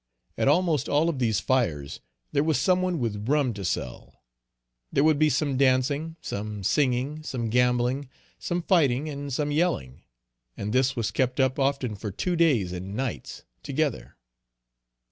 At almost all of these fires there was some one with rum to sell. There would be some dancing, some singing, some gambling, some fighting, and some yelling; and this was kept up often for two days and nights together.